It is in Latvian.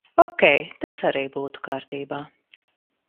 Okei, tas arī būtu kārtībā.